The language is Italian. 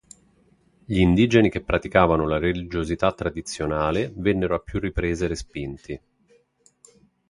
Gli indigeni che praticavano la religiosità tradizionale vennero a più riprese respinti.